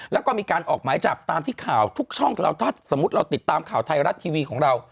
แล้วก็มีการออกหมายจับตามที่ข่าวทุกช่องเราถ้าสมมุติเราติดตามข่าวไทยรัฐทีวีของเรา